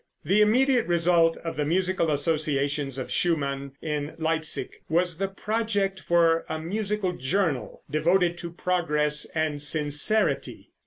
The immediate result of the musical associations of Schumann, in Leipsic, was the project for a musical journal, devoted to progress and sincerity.